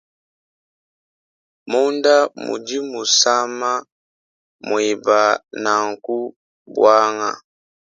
Munda mudi musama mueba naku buanga.